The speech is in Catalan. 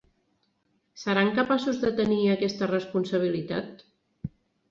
Seran capaços de tenir aquesta responsabilitat?